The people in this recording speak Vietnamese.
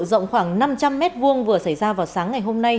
rộng khoảng năm trăm linh m hai vừa xảy ra vào sáng ngày hôm nay